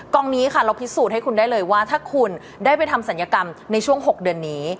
นี้ค่ะเราพิสูจน์ให้คุณได้เลยว่าถ้าคุณได้ไปทำศัลยกรรมในช่วง๖เดือนนี้